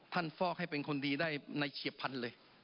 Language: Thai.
ท่านฟอกให้เป็นคนดีได้ในเฉียบพันเลย